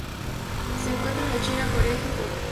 Se encuentra en la China, Corea y Japón.